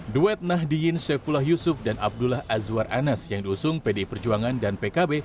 duet nahdiyin saifullah yusuf dan abdullah azwar anas yang diusung pdi perjuangan dan pkb